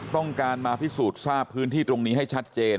ต้องการมาพิสูจน์ทราบพื้นที่ตรงนี้ให้ชัดเจน